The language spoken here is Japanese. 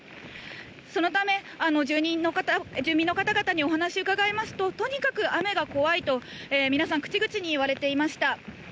そのため、住民の方々にお話を伺いますと、とにかく雨が怖いと皆さん口々に言われていました。